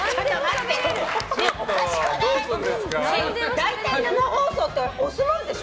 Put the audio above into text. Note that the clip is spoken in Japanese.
大体、生放送って押すものでしょ？